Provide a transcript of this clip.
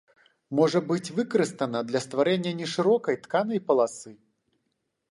Можа быць выкарыстана для стварэння нешырокай тканай паласы.